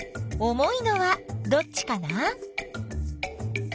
重いのはどっちかな？